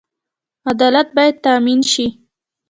عدالت باید تامین شي